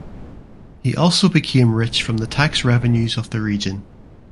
He also became rich from the tax revenues of the region.